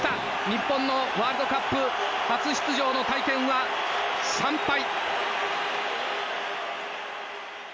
日本のワールドカップ初出場の体験は、３敗。